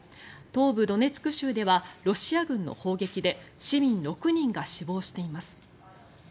東部ドネツク州ではロシア軍の砲撃で市民６人が死亡しています。